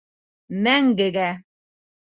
Мәңгегә.